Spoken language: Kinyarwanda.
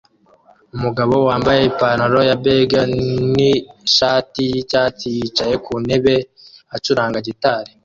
Umugabo wambaye ipantaro ya beige nishati yicyatsi yicaye ku ntebe acuranga gitari